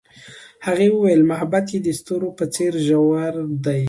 هغې وویل محبت یې د ستوري په څېر ژور دی.